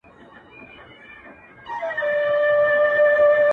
• دغه که ګناه وي زه پخوا دوږخ منلی یم -